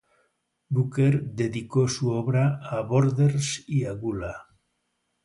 Booker dedicó su obra a Borders y a Gula.